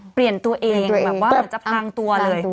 เปลี่ยนตัวเองแบบว่าเหมือนจะพังตัวเลย